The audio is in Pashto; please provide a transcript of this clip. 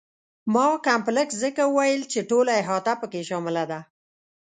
ما کمپلکس ځکه وویل چې ټوله احاطه په کې شامله ده.